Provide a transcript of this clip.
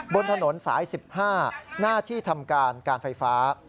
บนถนนสาย๑๕หน้าที่ทำการการไฟฟ้า